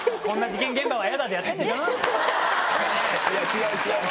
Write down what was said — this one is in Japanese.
違う違う。